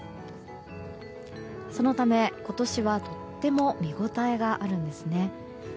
そのため、今年はとっても見応えがあるんですね。